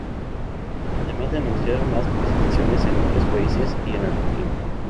Además de anunciar más presentaciones en otros países, y en Argentina.